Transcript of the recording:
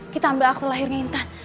kita ambil aku lahirnya intan